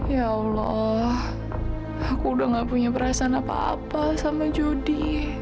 ya allah aku udah gak punya perasaan apa apa sama judi